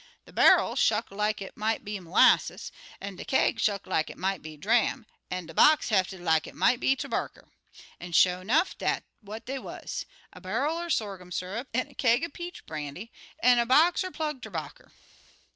De bairl shuck like it mought be lasses, an' de kaig shuck like it mought be dram, an' de box hefted like it mought be terbarker. An', sho' 'nuff, dat what dey wuz a bairl er sorghum syr'p, an' a kaig er peach brandy, an' a box er plug terbarker.